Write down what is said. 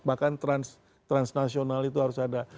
bahkan transnasional itu harus ada